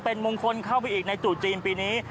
เป็นมงคลเข้าไปอีกในตรุษจีนปีนี้